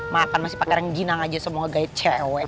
makan masih pake rengginang aja semoga gak ada cewek